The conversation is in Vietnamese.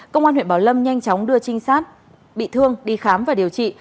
công an huyện bảo lâm nhanh chóng đưa trinh sát bị thương đi khám và điều trị